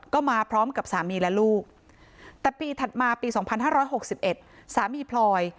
ก็มาพร้อมกับสามีและลูกแต่ปีถัดมาปี๒๕๖๑สามีพลอย